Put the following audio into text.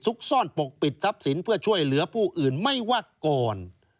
ซ่อนปกปิดทรัพย์สินเพื่อช่วยเหลือผู้อื่นไม่ว่าก่อน